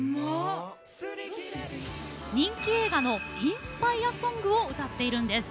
人気映画のインスパイアソングを歌っているんです。